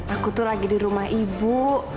aku tuh lagi di rumah ibu